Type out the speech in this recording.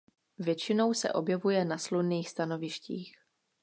Většinou se objevuje na slunných stanovištích.